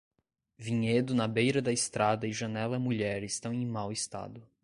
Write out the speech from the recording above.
Vinhedo na beira da estrada e janela mulher estão em mau estado.